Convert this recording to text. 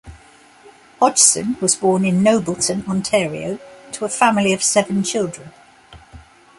Hodgson was born in Nobleton, Ontario to a family of seven children.